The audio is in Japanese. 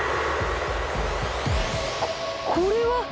ここれは！